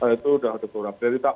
itu sudah sudah turun